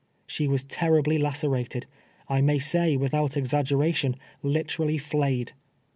She was terribly lacerated — I may say, without exaggeration, literally flayed.